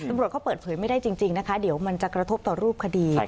ตำรวจเขาเปิดเผยไม่ได้จริงนะคะเดี๋ยวมันจะกระทบต่อรูปคดี